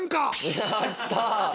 やった！